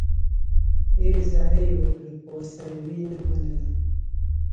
ډېرې زارۍ یې وکړې، خو ورسره و یې نه منله.